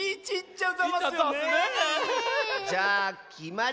じゃあきまり！